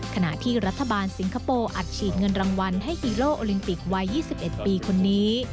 ขณะที่รัฐบาลสิงคโปร์อัดฉีดเงินรางวัลให้ฮีโร่โอลิมปิกวัย๒๑ปีคนนี้